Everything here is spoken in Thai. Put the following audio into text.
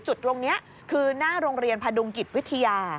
จุดตรงนี้คือหน้าโรงเรียนพดุงกิจวิทยา